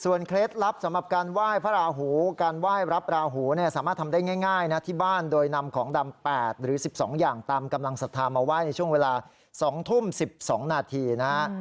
เคล็ดลับสำหรับการไหว้พระราหูการไหว้รับราหูเนี่ยสามารถทำได้ง่ายนะที่บ้านโดยนำของดำ๘หรือ๑๒อย่างตามกำลังศรัทธามาไหว้ในช่วงเวลา๒ทุ่ม๑๒นาทีนะฮะ